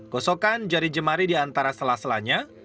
gosokkan jari jemari di antara selaselanya